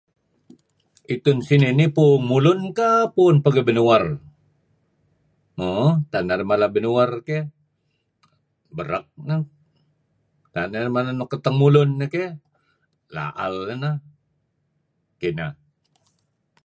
Itun sinih puung mulun kah puung pangeh binuer? Mo tak narih mala pangeh binuer keh barak nah. Tak narih mala nuk kateng mulun keh laal nah. Kineh.